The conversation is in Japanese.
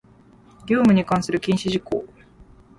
業務に関する禁止事項